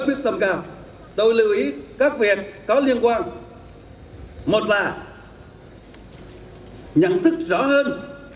quyết tâm cao tôi lưu ý các việc có liên quan một là nhận thức rõ hơn